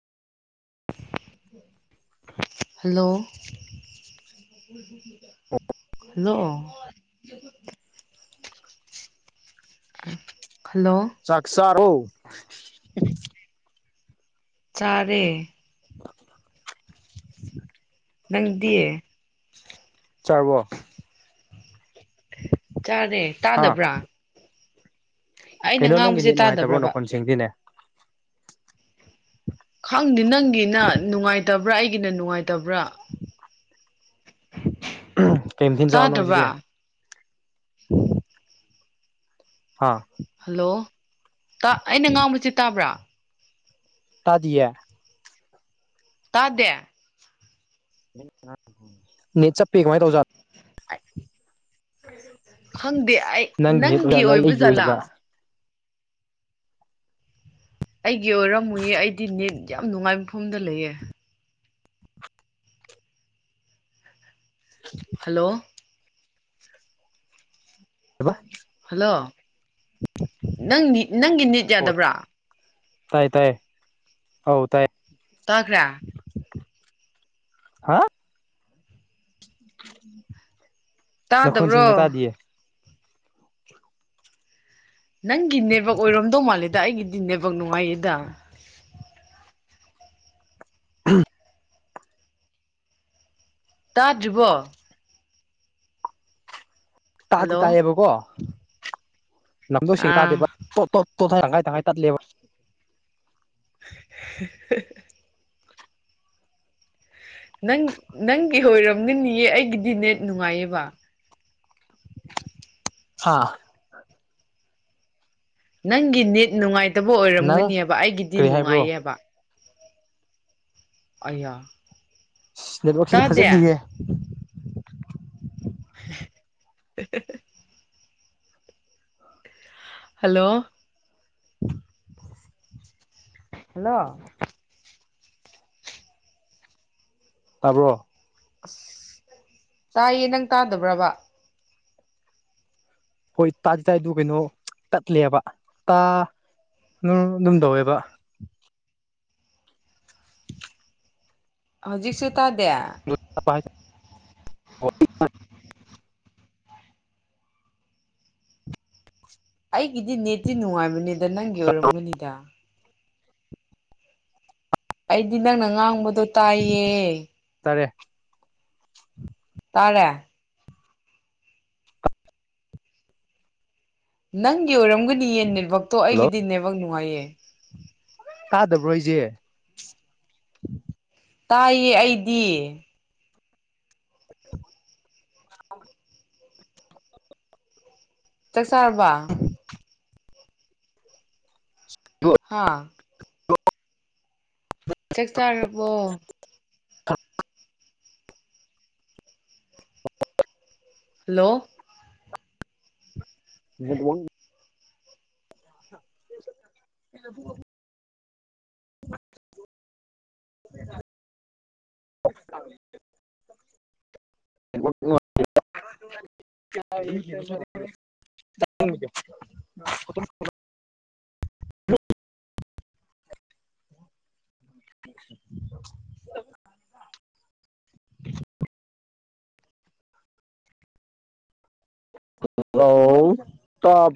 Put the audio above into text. Hello hello hello ꯆꯥꯛ ꯆꯥꯔꯣ ꯆꯥꯔꯦ [unintelligible] ꯅꯪꯗꯤ ꯆꯥꯔꯕꯣ ꯆꯥꯔꯦ ꯍꯥ ꯇꯥꯗꯕ꯭ꯔꯥ ꯑꯩꯅ ꯀꯩꯅꯣ ꯅꯪꯒꯤ ꯉꯥꯡꯕꯁꯦ ꯅ‌ꯦꯠ ꯅꯨꯡꯉꯥꯏꯇꯕ꯭ꯔꯣ ꯇꯥꯗꯕ꯭ꯔꯕ ꯅꯈꯣꯟ ꯁꯦꯡꯗꯦꯅꯦ ꯈꯪꯗꯦ ꯅꯪꯒꯤꯅ ꯅꯨꯡꯉꯥꯏꯇꯕ꯭ꯔꯥ ꯑꯩꯒꯤꯅ ꯅꯨꯡꯉꯥꯏꯇꯕ꯭ꯔꯥ ꯀꯩ ꯃꯊ‌‌ꯦꯟ ꯇꯥꯗꯕ꯭ꯔꯥ ꯆꯥꯕꯅꯣꯉꯁꯤꯗꯤ ꯍꯥ ꯍꯜꯂꯣ ꯇꯥ ꯑꯩꯅ ꯉꯥꯡꯕꯁꯤ ꯇꯥꯕ꯭ꯔꯥ ꯇꯥꯗꯤꯌꯦ ꯇꯥꯗꯦ [unintelligible] ꯅꯦꯠ ꯆꯞꯄꯤ ꯀꯃꯥꯏ ꯇꯧꯖ ꯈꯪꯗꯦ ꯑꯩ ꯅꯪ ꯅꯦꯠ ꯅꯪꯒꯤ ꯑꯣꯏꯖꯥꯠꯂ ꯑꯣꯏꯕ ꯑꯩꯒꯤ ꯖꯥꯠꯂꯥ ꯑꯣꯏꯖꯥꯠꯂ ꯑꯩꯒꯤ ꯑꯣꯏꯔꯝꯃꯣꯏꯌꯦ ꯑꯩꯗꯤ ꯅꯦꯠ ꯌꯥꯝ ꯅꯨꯡꯉꯥꯏꯕ ꯃꯐꯝꯗ ꯂꯩꯌꯦ ꯍꯜꯂꯣ ꯀꯩꯕꯥ ꯍꯜꯂꯣ ꯅꯪ ꯅꯪꯒꯤ ꯅꯤꯠ ꯑꯣ ꯌꯥꯗꯕ꯭ꯔꯥ ꯇꯥꯏ ꯇꯥꯏ ꯑꯧ ꯇꯥꯏ ꯇꯥꯈ꯭ꯔꯦ ꯍꯥ ꯅꯥꯈꯣꯟ‌ ꯁ‌ꯦꯡꯅ ꯇꯥꯗꯕ꯭ꯔꯣ ꯇꯥꯗꯤꯌꯦ ꯅꯪꯒꯤ ꯅꯦꯠꯋꯥꯛ ꯑꯣꯏꯔꯝꯗꯧ ꯃꯥꯜꯂꯦꯗꯥ ꯑꯩꯒꯤꯗꯤ ꯅꯦꯠꯋꯥꯛ ꯅꯨꯡꯉꯥꯏꯌꯦꯗꯥ [unintelligible] ꯇꯥꯗ꯭ꯔꯤꯕꯣ ꯇꯥꯗꯤ ꯍꯜꯂꯣ ꯇꯥꯏꯌꯦꯕꯀꯣ ꯂꯝꯗꯣ ꯁꯦꯡ ꯇꯥꯗꯦꯕ ꯑꯥ ꯇꯣ ꯇꯣꯠ ꯇꯣꯠ ꯍꯥꯏ ꯇꯪꯈꯥꯏ ꯇꯪꯈꯥꯏ ꯇꯠꯂꯦꯕ [unintelligible] ꯅꯪ ꯅꯪꯒꯤ ꯑꯣꯏꯔꯝꯒꯅꯤꯌꯦ ꯑꯩꯒꯤꯗꯤ ꯅꯦꯠ ꯅꯨꯡꯉꯥꯏꯌꯦꯕ꯫ ꯍꯥꯥ ꯅꯪꯒꯤ ꯅꯦꯠ ꯅꯨꯡꯉꯥꯏꯇꯕ ꯅꯪ ꯑꯣꯏꯔꯝꯒꯅꯤꯕ ꯑꯩꯒꯤꯗꯤ ꯀꯔꯤ ꯍꯥꯏꯕ꯭ꯔꯣ ꯅꯨꯡꯉꯥꯏꯌꯦꯕ꯫ ꯑꯌꯥ ꯅꯦꯠꯋꯔꯛꯁꯤꯗꯤ ꯇꯥꯗꯦ ꯐꯖꯗꯤꯌꯦ꯫ [unintelligible] ꯍꯜꯂꯣ ꯍꯜꯂꯣ ꯇꯥꯕ꯭ꯔꯣ? ꯑꯁ ꯇꯥꯏꯌꯦ ꯅꯪ ꯇꯥꯗꯕ꯭ꯔꯕ? ꯍꯣꯏ [unintelligible] [unintelligible] [unintelligible] ꯀꯩꯅꯣ ꯇꯠꯂꯦꯕ ꯇꯥ ꯑꯗꯨꯝ ꯇꯧꯋꯦꯕ ꯍꯧꯖꯤꯛꯁꯨ ꯇꯥꯗꯦ ꯥ [unintelligible] [inaudible] ꯑꯩꯒꯤꯗꯤ ꯅꯦꯠꯇꯤ ꯅꯨꯡꯉꯥꯏꯕꯅꯦꯗ ꯅꯪꯒꯤ ꯑꯣꯏꯔꯝꯒꯅꯤꯗ ꯑꯩꯗꯤ ꯅꯪꯅ ꯉꯥꯡꯕꯗꯣ ꯇꯥꯏꯌꯦ ꯇꯥꯔꯦ ꯇꯥꯔꯦ ꯅꯪꯒꯤ ꯑꯣꯏꯔꯝꯒꯅꯤꯌꯦ ꯅꯦꯠꯋꯥꯛꯇꯣ ꯑꯩꯒꯤꯗꯤ ꯅꯦꯠꯋꯥꯛ ꯅꯨꯡꯉꯥꯏꯌꯦ ꯀꯥꯗꯕ꯭ꯔꯣ ꯑꯩꯖꯦ ꯇꯥꯌꯦ ꯑꯩꯗꯤ ꯆꯥꯛ ꯆꯥꯔꯕ‌ꯣ [inaudible] ꯍꯥꯥ ꯆꯥꯛ ꯆꯥꯔꯕꯣ ꯍꯜꯂꯣ ꯅꯦꯠꯋꯥꯛ [unintelligible] [unintelligible] [unintelligible] [inaudible] ꯍꯜꯂꯣ ꯇꯥ